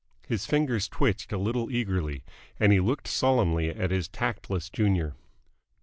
His fingers twitched a little eagerly, and he looked sullenly at his tactless junior.